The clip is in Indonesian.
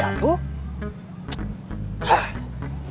saya ini kamtip harus dihormati